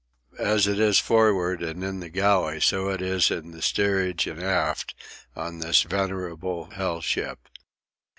As it is forward and in the galley, so it is in the steerage and aft, on this veritable hell ship.